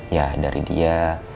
ya dari dia